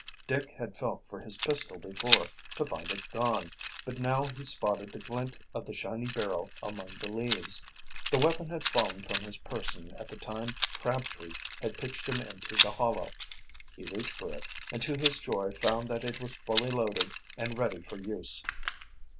Dick had felt for his pistol before, to find it gone. But now he spotted the glint of the shiny barrel among the leaves. The weapon had fallen from his person at the time Crabtree had pitched him into the hollow. He reached for it, and to his joy found that it was fully loaded and ready for use.